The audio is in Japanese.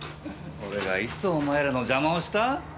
俺がいつお前らのジャマをした？